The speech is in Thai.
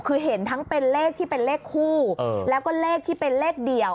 คือเห็นทั้งเป็นเลขที่เป็นเลขคู่แล้วก็เลขที่เป็นเลขเดี่ยว